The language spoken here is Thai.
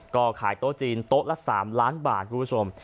ก็ขายโต๊ะจีนโต๊ะละ๓ล้านบาทคุณผู้ชม